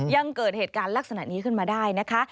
ยังเกิดเหตุการณ์ลักษณะนี้ขึ้นมาได้นะคะ